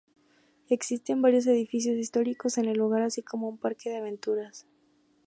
Existen varios edificios históricos en el lugar, así como un parque de aventuras.